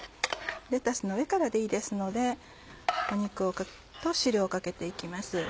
レタスの上からでいいですので肉と汁をかけて行きます。